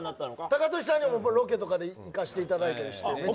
タカトシさんにはロケとか行かせていただいて。